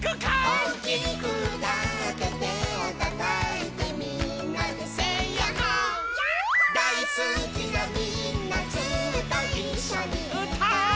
「おおきくうたっててをたたいてみんなでセイやっほー☆」やっほー☆「だいすきなみんなずっといっしょにうたおう」